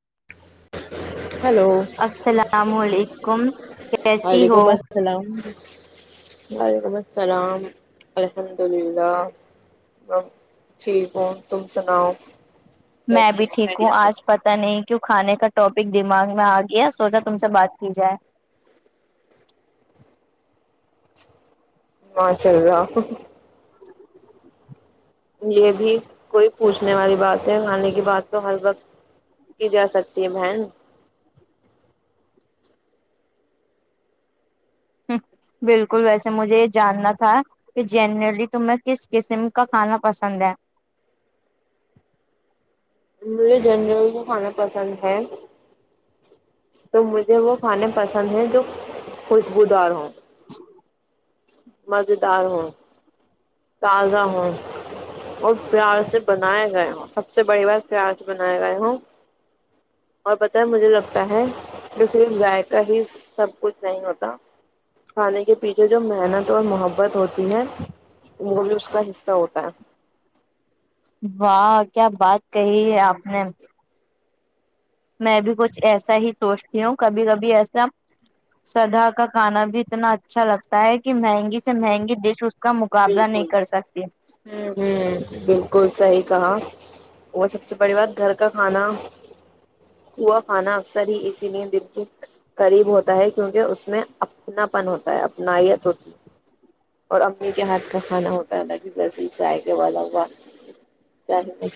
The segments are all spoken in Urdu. [unintelligible] السلام علیکم کیسی ہو وعلیکم السلام وعلیکم السلام الحمد اللہ ٹھیک ہوں تم سناؤ میں کیسی بھی ہو ٹھیک ہوں خیریت سے آج پتہ نہیں کیوں کھانے کا ٹاپک دماغ میں آ گیا سوچا تم سے بات کی جائے ماشاء اللہ یہ بھی کوئی پوچھنے والی بات ہے کھانے کی بات تو ہر وقت کی جا سکتی ہے بہن ہ بالکل ویسے مجھے یہ جاننا تھا کہ جنرلی تمہیں کس قسم کا کھانا پسند ہے ہملیے جن کھانا پسند ہے تو مجھے وہ کھانے پسند ہیں جو خوشبودار ہوں مزے دار ہوں تازہ ہو اور پیار سے بنائے گئے ہوں سب سے بڑی بات پیار سے بنائے گئے ہوں اور بتیں مجھے لگتا ہے کہ صرف ذائقہ ہی سب کچھ نہیں ہوتا کھانے کے پیچھے جو محنت اور محبت ہوتی ہے وہ بھی اس کا حصہ ہوتا ہے واہ کیا بات کہی ہے آپ نے میں بھی کچھ ایسا ہی سوچتی ہوں کبھی کبھی ایسا سدھا کا کھانا بھی اتنا اچھا لگتا ہے کہ مہنگی سے مہنگی ڈش کا مقابلہ نہیں بالکل کر سکتی ہ ہ بالکل صحی کہا وہ سب سے بڑی بات گھر کا کھانا ہووا کھانا اکثر ہی اسی لیے دل کے قریب ہوتا ہے کیونکہ اس میں اپنا پن ہوتا ہے اپنائیت ہوتی ہے اور کے ہاتھ کا کھا ہوتا لاک بس یہ چائے کے والا ہواائے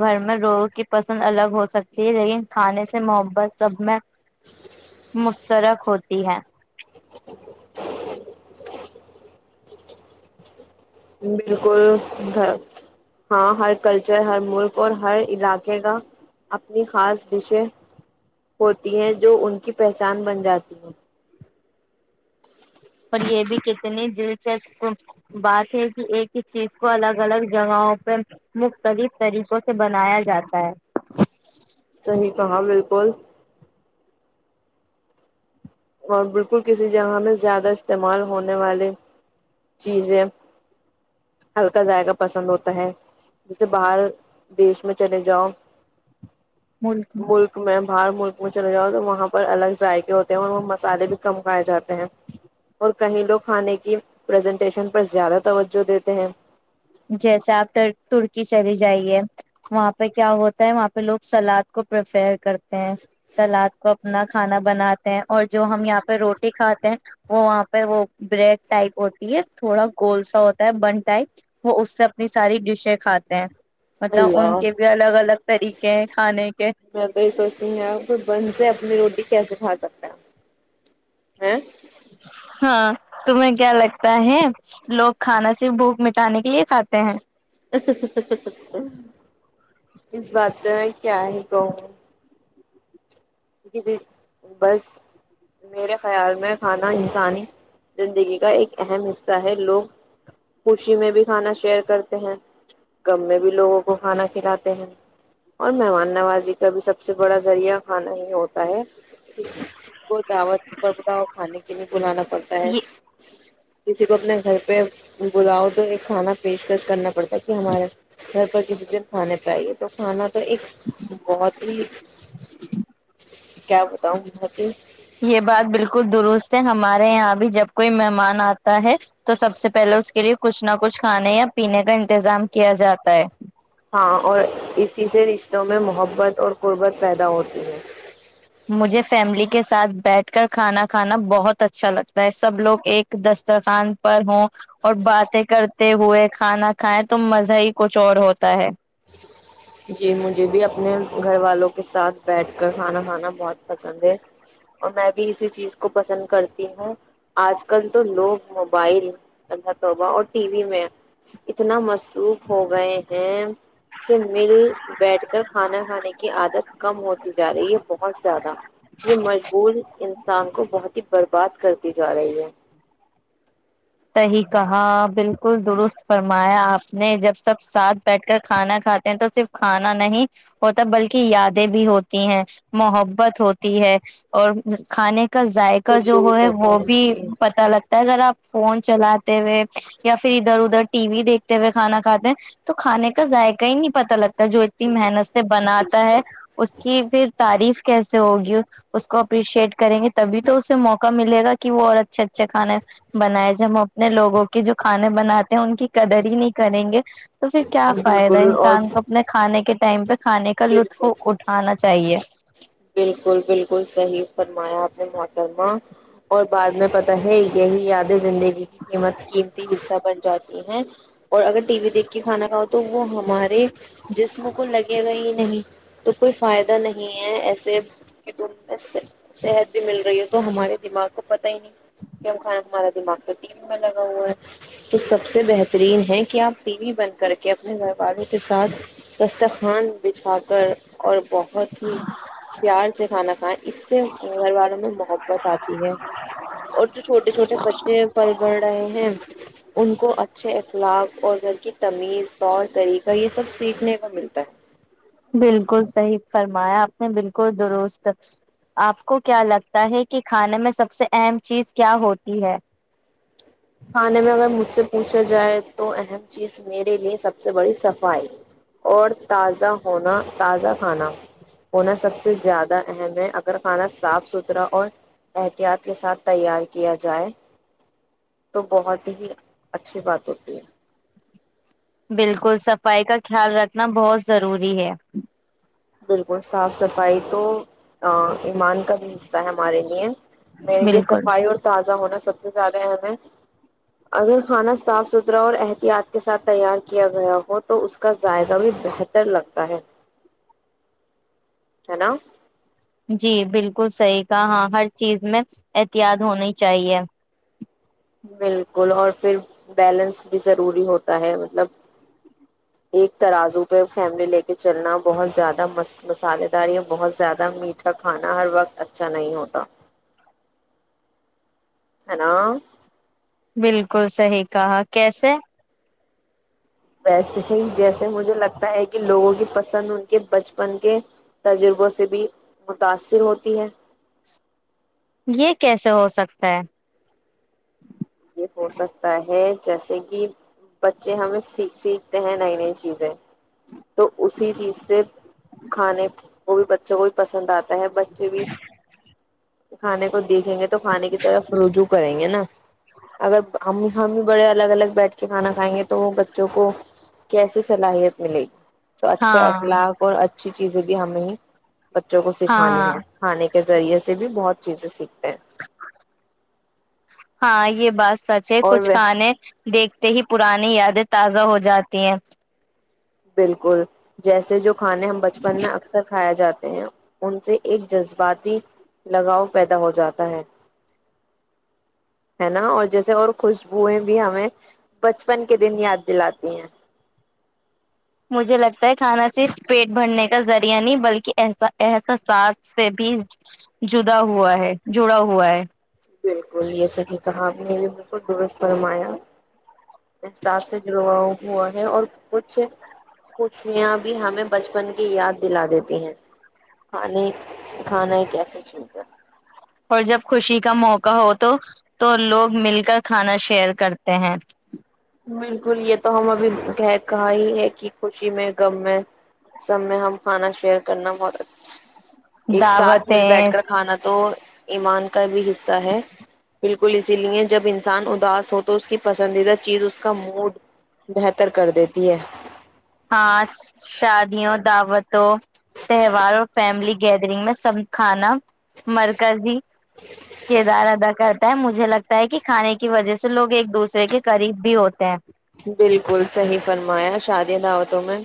گھر میں لوگوں کی پسند الگ ہو سکتی ہے لیکن کھانے سے محبت سب میں مستترک ہوتی ہے [inaudible] بالکلھر ہاں ہر کلچر ہر ملک اور ہر علاقے کا اپنی خاص ڈشیں ہوتی ہیں جو ان کی پہچان بن جاتی ہیں اور یہ بھی کتنی دلچسپ بات ہے کہ ایک ہی چیز کو الگ الگ جگہوں پہ مختلف طریقوں سے بنایا جاتا ہے صحی کہاں بالکل اور بالکل کسی جگہ میں زیادہ استعمال ہونے والی چیزیں ہلکا ذائقہ پسند ہوتا ہے جیسے باہر دیش میں چلے جاؤ ملک میں باہر ملک میں چلے جاؤ تو وہاں پر الگ ذائقے ہوتے اور وہ مالے بھی کم کھائے جاتے ہیں اور کہیں لوگ کھانے کیزنٹیشن پر زیادہ توجہ دیتے ہیں جیسے آپر ترکی چلی جائیے وہاں پہ کیا ہوتا ہے وہاں پہ لوگ سلاد کو پریفیئر کرتے سلاد کو اپنا کھانا بناتے ہیں اور جو ہم یہاں پہ روٹی کھاتے ہیں وہ وہاں پہ وہ بریڈ ٹائپ ہوتی ہے تھوڑا گول سا ہوتا ہے بن ٹائپ وہ اس سے اپنی ساری ڈشیں کھاتے ہیں مطلب ان اللہ کے بھی الگ الگ طریقے کہ کانے میں تو یہ سوچتی ہ یار کو بند سے اپنی روٹی کیسے جھا سکتا ہے ا ہاں تمہیں کیا لگتا ہے لوگ کھانا سے بھوک مٹانے کے لیے کھاتے ہیں اس بات کیا ہی کہوں میں جی بس میرے خیال میں کھانا انسانی زندگی کا ایک اہم حصہ ہے لوگ خوشی میں بھی کھانا شیئر کرتے ہیں غم میں بھی لوگوں کو کھانا کھلاتے ہیں اور مہمان نوازی کا بھی سب سے بڑا ذریعہ کھانا ہی ہوتا ہے ک کو دعوت بربداؤ کھانے کے لیے بلانا پڑتا ہے یہ کسی کو اپنے گھر پہ بلاؤ تو ایک کھانا پیشکش کرنا پڑتا کہ ہمارا گھر پر کسی کھا چاہیے تو کھانا تو ایک بہت ہوں کیا بتاؤںتی سے ہمارے یہاں بھی جب کوئی مہمان آتا ہے تو سب سے پہلے اس کے لیے کچھ نہ کچھ کھانے یا پینے کا انتظام کیا جاتا ہے ہاں اور اسی سے رشتوں میں محبت اور قربت پیدا ہوتی ہے مجھے فیملی کے ساتھ بیٹھ کر کھانا کھانا بہت اچھا لگتا ہے سب لوگ ایک دسترخوان پر ہوں اور باتیں کرتے ہوئے کھانا کھائائے تو مزہ ہی کچھ اور ہوتا ہے جی مجھے بھی اپنے گھر والوں کے ساتھ بیٹھ کر کھانا کھانا بہت پسند ہے اور میں بھی اسی چیز کو پسند کرتی ہوں آج کل تو لوگ موبائل اللہ طبہ اور ٹی وی میں اتنا مصروف ہو گئے ہیں کہ مل بیٹھ کر کھانا کھانے کی عادت کم ہوتی جا رہی یہ بہت زیادہ یہ مشغول انسان کو بہت ہی بر بات کرتی جا رہی ہے صحیح کہا بالکل درست فرمایا آپ نے جب سب ساتھ بیٹھ کر کھانا کھاتے ہیں تو صرف کھانا نہیں ہوتا بلکہ یادیں بھی ہوتی ہیں محبت ہوتی ہے اور کھانے کا ذائقہ جو ہو خلوص ہے ہوتا وہ بھی جی پتا لگتا ہے اگر آپ فون چلاتے ہوئے یا پھر ادھر ادھر ٹی وی دیکھتے ہوئے کھانا کھاتے ہیں تو کھانے کا ذائقہ ہی نہیں پت لگتا جو اتنی محنت سے بناتا ہے اس کی پھر تعریف کیسے ہوگی اس کو اپریشیٹ کریں گے تبھی تو اسے موقع ملے گا کہ وہ اور اچھے اچھے کھانے ہے بنائے جب ہم اپنے لوگوں کے جو کھانے بناتے ہیں ان کی قدر ہی نہیں کریں گے تو پھر کیا فائدہ بالکل اور انسان کو اپنے کھانے کے ٹم پہ کھانے کا لطف بالکل اٹھانا چاہیے بالکل بالکل صحیح فرمایا آپ نے محترمہ اور بعد میں پتہ ہے یہی یاد زندگی کی قیمت قیمتی حصہ بن جاتی ہیں اور اگر ٹی وی دیکھ کے کھانا کھاؤ تو وہ ہمارے جسم کو لگے گا ہی نہیں تو کوئی فائدہ نہیں ہے ایسا تمیں صحت بھی مل رہی ہو تو ہمارے دماغ کو پت ہی نہیں کہ ہم کھانا ہمارا دماغ تو ٹی وی میں لگا ہوا ہے تو سب سے بہترین ہے کہ آپ ٹی وی بن کر کے اپنے گھر والوں کے ساتھ دستخوان بچھا کر اور بہت ہی پیار سے کھانا کھائیں اس سے گھر والوں میں محبت آتی ہے اور جو چھوٹے چھوٹے بچے پل بڑھ رہے ہیں ان کو اچھے اخلاق اور گھر کی تمیز طور طریقہ یہ سب سیکھنے کا ملتا ہے بالکل صحیح فرمایا آپ نے بالکل درست آپ کو کیا لگتا ہے کہ کھانے میں سب سے اہم چیز کیا ہوتی ہے کھانے میں اگر مجھ سے پوچھا جائے تو اہم چیز میرے لیے سب سے بڑی صفائی اور تازہ ہونا تازہ کھانا ہونا سب سے زیادہ اہم ہے اگر کھانا صاف ستھرا اور احتیاط کے ساتھ تیار کیا جائے تو بہت ہی اچھی بات ہوتی ہے بالکل صفائی کا خیال رکھنا بہت ضروری ہے بالکل صاف صفائی تو ا ایمان کا بھی حصہ ہے ہمارے لیے میرے لیے بالکل صفائی اور تازہ ہونا سب سے زیادہ اہم ہے اگر کھانا صاف سوترا اور احتیاط کے ساتھ تیار کیا گیا ہو تو اسکا ذائقہ بھی بہتر لگتا ہے ہے نا جی بالکل صحیح کہا ہر چیز میں احتیاط ہونی چاہیے بالکل اور پھر بیلنس بھی ضروری ہوتا ہے مطلب ایک ترازو پہ فیملی لے کے چلنا بہت زیادہ مس مسالے دار یا بہت زیادہ میٹھا کھانا ہر وقت اچھا نہیں ہوتا ہیں نا بالکل صحیح کہا کیسے ویسے ہی جیسے مجھے لگتا ہے کہ لوگوں کی پسند ان کے بچپن کے تجربوں سے بھی متاثر ہوتی ہے یہ کیسے ہو سکتا ہے یہ ہو سکتا ہے جیسے کہ بچے ہمیں سے سیکھتے ہیں نئی نئی چیزیں تو اسی چیز سے کھانے وہ بھی بچھو کو بھی پسند آتا بچے بھی کھانے کو دیکھیں ہے تو کھانے کی طرف رجوع کریں گے نا ہم ہم بھی بڑے الگ الگ بیٹھ کے کھانا کھائیں گے تو بچوں کو کیسی صلاحیت ملے گی تو اچھے ہاں اخلاق اور اچھی چیزوں کی ہمیں بچوں کو سکھانی ہاں ہے کھانے کے کے ذریعے سے بھی بہت چیزیں سیکھتے ہیں ہاں یہ بات سچ ہے اور کچھ وہ کھانے دیکھتے ہی پ پرانی یاد تازا ہوجاتی ہے بالکل جیسے جو کھانے ہم بچپن میں اکثر کھایا جاتا ان سے ایک جذباتی لگاؤ پیدا ہو جاتا ہے ہے نا اور جیسے اور خوشبوئیں بھی ہمیں بچپن کے دن یاد دلاتی ہیں مجھے لگتا ہے کھانا صرف پیٹ بھرنے کا ذریعہ نہیں بلکہسا احساساس سے بھی جدا ہوا ہے جڑا ہوا ہے بلکل یہ صحیح کہا اپنی بلکل درست فرمایا احساس سے جڑا ہوا ہے اور کچھ خشیاں بھی ہمیں بچپن کی یاد دلا دیتی ہیں کھانے کھانا ایک ایسی چیز ہے اور جب خوشی کا موقع ہو تو تو لوگ مل کر کھانا شیئر کرتے ہیں بالکل یہ تو ہم ابھی کہ کہا ہی ہے کہ خوشی میں غم میں سب میں ہم کھانا شیئر کرنا بہت اچھا ایک ساتھ مل بیٹھ دعوتیں کر کھانا تو ایمان کا بھی حصہ ہے بالکل اسی لیے جب انسان اداس ہو تو اس کی پسندیدہ چیز اس کا موڈ بہتر کر دیتی ہے ہاں شادیوں دعوتوں تہواروں فیملی گیدرنگ میں سب کھانا مرکزی کردار ادا کرتا ہے مجھے لگتا ہے کہ کھانے کی وجہ سے لوگ ایک دوسرے کے قریب بھی ہوتے ہیں بالکل صحیح فرمایا شادی دعوتوں میں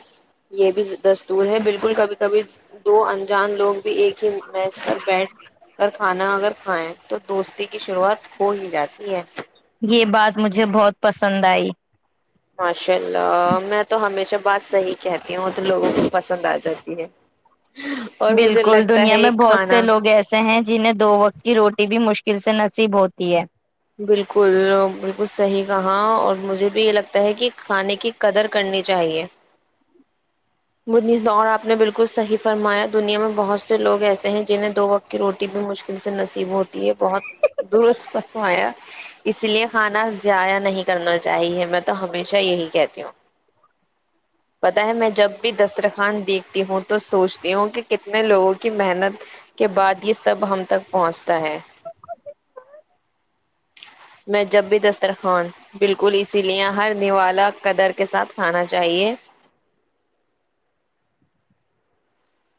یہ بھی دستور ہے بالکل کبھی کبھی دو انجان لوگ ایک ہی میس پر بیٹھ کر کھانا اگر ھیں تو دوستی کی شروعات ہو ہی جاتی ہے یہ بات مجھے بہت پسند آئی ماشاء اللہ میں تو ہمیشہ بات صحیح کہتی ہوں تو لوگوں کو پسند آ جاتی ہے اور مجھے بالکل لگتا دنیا ہے میں یہ بہت سے کھانا لوگ ایسے ہیں جنہیں دو وقت کی روٹی بھی مشکل پھر سے نصیب ہوتی ہے بالکل بالکل صحیح کہا اور مجھے بھی یہ لگتا ہے کہ کھانے کی قدر کرنی چاہیے آپ نے بالکل صحیح فرمایا دنیا میں بہت سے لوگ ایسے ہیں جنہیں دو وقت کی روٹی بھی مشکل سے نصیب ہوتی بہت درست اس لیے کھانا ضیاع نہیں کرنا چاہیے مب تو ہمیشہ یہی کہتی ہوں پتا ہے میں جب بھی دسترخوان دیکھتی ہوں تو سوچتی ہوں کہ کتنے لوگوں کی محنت کے بعد یہ سب ہم تک پہنچتا ہے میں جب بھی دسترخوان بالکل اسی لیے ہر نوالا قدر کے ساتھ کھانا چاہیے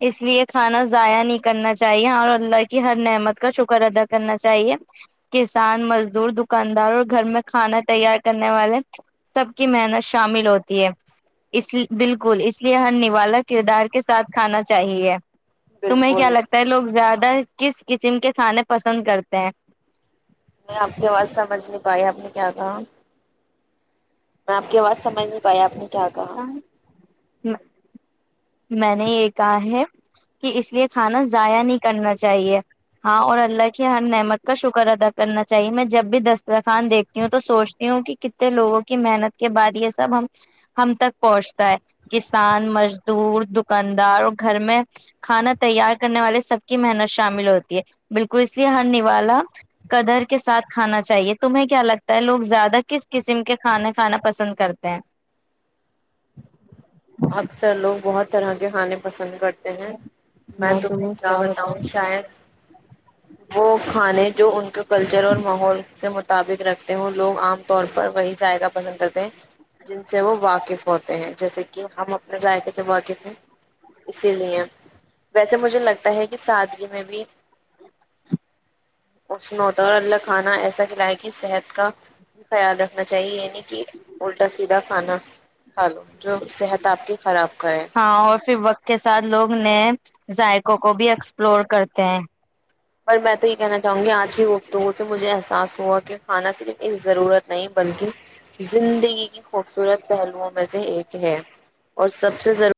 اس لیے کھانا ضائع نہیں کرنا چاہیے اور اللہ کی ہر نعمت کا شکر ادا کرنا چاہیے کسان مزدور دکاندار اور گھر میں کھانا تیار کرنے والے سب کی محنت شامل ہوتی ہے بالکل اس لیے ہر نوالا کردار کے ساتھ کھانا چاہیے تمہیں کیا بالکل لگتا ہے لوگ زیادہ کس قسم کے کھانے پسند کرتے ہیں میں آپ کی آواز سمجھ نہیں پائی آپ نے کیا کہا میں آپ کی آواز سمجھ نہیں پایا آپ نے کیا کہا ہاں ہ میں نے یہ کہا ہے کہ اس لیے کھانا ضائع نہیں کرنا چاہیے ہاں اور اللہ کی ہر نعمت کا شکر ادا کرنا چاہیے میں جب بھی دسترخوان دیکھتی ہوں تو سوچتی ہوں کہ کتنے لوگوں کی محنت کے بعد یہ سب ہم ہم تک پہنچتا ہے کسان مس دور دکاندار اور گھر میں کھانا تیار کرنے والے سب کی محنت شامل ہوتی ہے بالکل اس لیے ہر نوالا قدر کے ساتھ کھانا چاہیے تمہیں کیا لگتا ہے لوگ زیادہ کس قسم کے کھانا کھانا پسند کرتے ہیں اکثر لوگ بہت طرح کے کھانے پسند کرتے ہیں میں تمہیں کیا بتاؤں شاید وہ کھانے جو ان کے کلچر اور ماحول سے مطابق رکھتے ہوں لوگ عام طور پر وہی ذائقہ پسند کرتے ہیں جن سے وہ واقف ہوتے ہیں جیسے کہ ہم اپنے ذائقے سے واقف ہیں اسی لیے ویسے مجھے لگتا ہے کہ سادگی میں بھین ہوتا اور اللہ کھانا ایسا کلائے کہ صحت کا خیال رکھنا چاہیے نہیں کہ الٹا سیدھا کھانا کھا لو جو صحت آپ کی خراب کرے ہاں اور پھر وقت کے ساتھ لوگ نے ذائقوں کو بھی ایکسپلور کرتے ہیں پر میں تو یہ کہنا چاہوں گی آج کی گفتگو سے مجھے احساس ہوا کہ کھانا صرف ایک ضرورت نہیں بلکہ زندگی کی خوبصورت پہلوؤں میں سے ایک ہے اور سب سے ضر